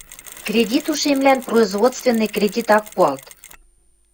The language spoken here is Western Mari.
Кредит ушемлӓн производственный кредит ак пуалт.